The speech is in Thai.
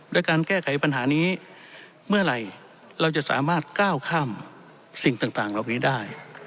การแก้ไขปัญหานี้เมื่อไหร่เราจะสามารถก้าวข้ามสิ่งต่างเหล่านี้ได้